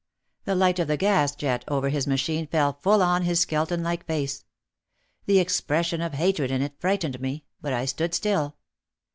The light of the gas jet over his machine fell full on his skeleton like face. The expression of hatred in it frightened me, but I stood still.